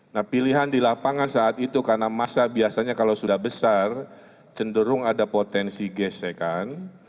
nah pilihan di lapangan saat itu karena masa biasanya kalau sudah besar cenderung ada potensi gesekan